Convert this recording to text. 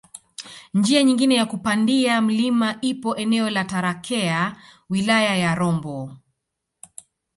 Njia nyingine ya kupandia mlima ipo eneo la Tarakea wilaya ya Rombo